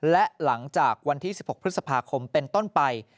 และหลังจากวันที่๑๖พฤษภาคมเป็นต้นไป